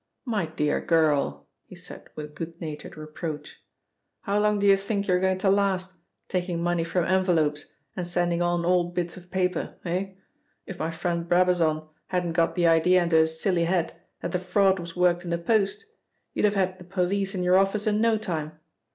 "My dear girl," he said with good natured reproach. "How long do you think you're going to last, taking money from envelopes and sending on old bits of paper? Eh? If my friend Brabazon hadn't got the idea into his silly head that the fraud was worked in the post, you'd have had the police in your office in no time.